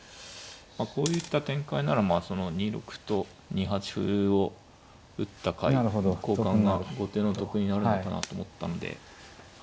こういった展開ならその２六歩と２八歩を打ったかい交換が後手の得になるのかなと思ったんで。